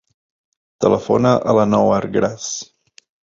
Telefona a l'Anouar Gras.